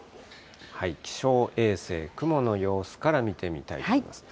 気象衛星、雲の様子から見てみたいと思います。